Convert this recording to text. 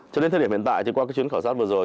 cho đến thời điểm hiện tại qua chuyến khảo sát vừa rồi